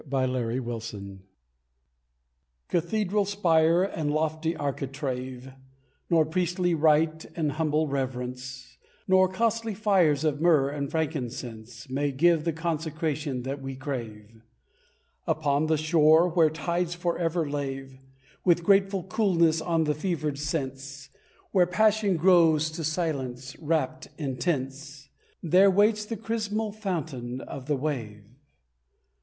Consecration Cathedral spire and lofty architrave, Nor priestly rite and humble reverence, Nor costly fires of myrrh and frankincense May give the consecration that we crave; Upon the shore where tides forever lave With grateful coolness on the fevered sense; Where passion grows to silence, rapt, intense, There waits the chrismal fountain of the wave.